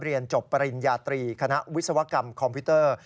เรียนจบปริญญาตรีคณะวิศวกรรมคอมพิวเตอร์